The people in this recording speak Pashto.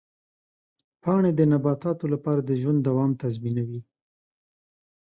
پاڼې د نباتاتو لپاره د ژوند دوام تضمینوي.